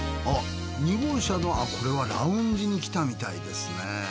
あっ２号車のこれはラウンジに来たみたいですね。